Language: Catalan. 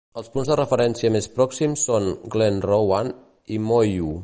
El punts de referència més pròxims són Glenrowan i Moyhu.